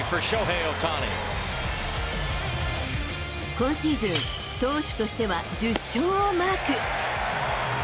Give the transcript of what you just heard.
今シーズン、投手としては１０勝をマーク。